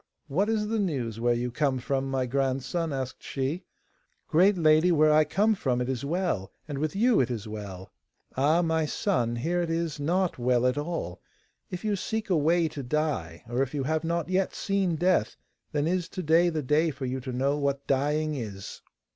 'What is the news where you come from, my grandson,' asked she. 'Great lady, where I come from it is well, and with you it is well.' 'Ah, my son, here it is not well at all. If you seek a way to die, or if you have not yet seen death, then is to day the day for you to know what dying is.